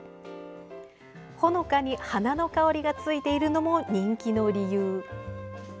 ほのかに花の香りがついているのも人気の理由。